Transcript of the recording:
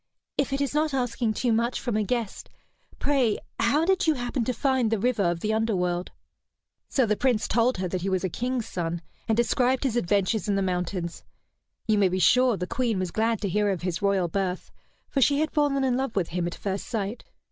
"If it is not asking too much from a guest, pray how did you happen to find the river of the underworld?" So the Prince told her that he was a king's son, and described his adventures in the mountains. You may be sure the Queen was glad to hear of his royal birth, for she had fallen in love with him at first sight.